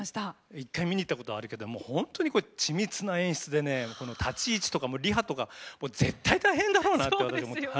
一回見に行ったことあるけどもう本当に緻密な演出でね立ち位置とかリハとか絶対大変だろうなって私思った。